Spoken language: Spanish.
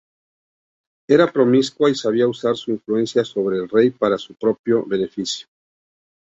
Era promiscua y sabía usar su influencia sobre el rey para su propia beneficio.